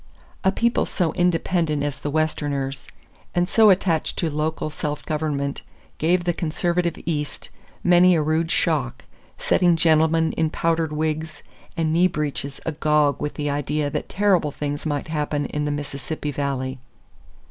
= A people so independent as the Westerners and so attached to local self government gave the conservative East many a rude shock, setting gentlemen in powdered wigs and knee breeches agog with the idea that terrible things might happen in the Mississippi Valley.